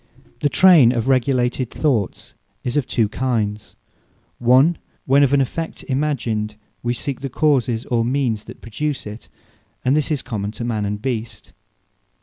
Remembrance The Trayn of regulated Thoughts is of two kinds; One, when of an effect imagined, wee seek the causes, or means that produce it: and this is common to Man and Beast.